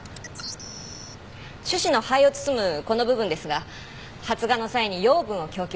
種子の胚を包むこの部分ですが発芽の際に養分を供給します。